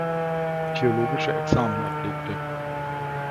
Theologische Examen ablegte.